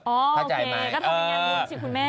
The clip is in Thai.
อ๋อโอเคก็โทรไปงานบุญชิคุณแม่